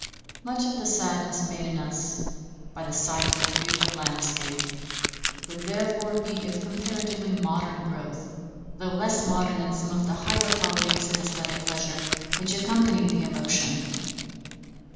Much of the sadness made in us by the sight of a beautiful landscape would therefore be of comparatively modern growth, though less modern than some of the higher qualities of æsthetic pleasure which accompany the emotion.